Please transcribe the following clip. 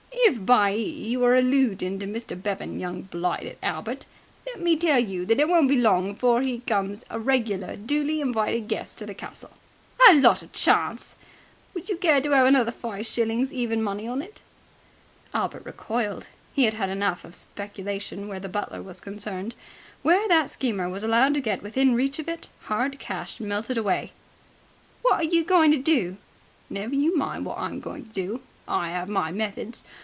"If by 'e you're alloodin' to Mr. Bevan, young blighted Albert, let me tell you that it won't be long before 'e becomes a regular duly invited guest at the castle!" "A lot of chance!" "Would you care to 'ave another five shillings even money on it?" Albert recoiled. He had had enough of speculation where the butler was concerned. Where that schemer was allowed to get within reach of it, hard cash melted away. "What are you going to do?" "Never you mind what I'm going to do. I 'ave my methods.